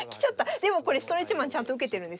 でもこれストレッチマンちゃんと受けてるんです。